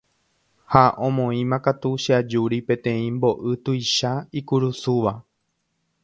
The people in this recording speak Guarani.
Ha omoĩmakatu che ajúri peteĩ mbo'y tuicha ikurusúva.